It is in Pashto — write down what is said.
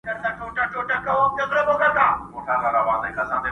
خود به د حالاتو سره جنګ کيیار ګټي میدان،